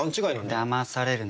だまされるな。